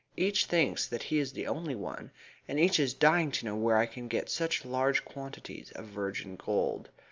Each thinks that he is the only one, and each is dying to know where I can get such large quantities of virgin gold.